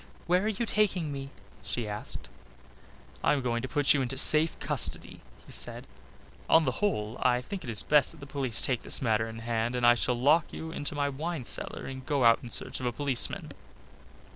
"Where are you taking me?" she asked. "I am going to put you into safe custody," he said. "On the whole I think it is best that the police take this matter in hand and I shall lock you into my wine cellar and go out in search of a policeman."